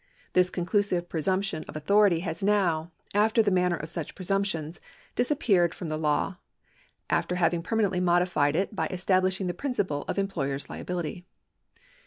This conclusive presumption of authority has now, after the manner of such presumptions, disappeared from the law, after having permanently modified it by establishing the principle of employer's liability.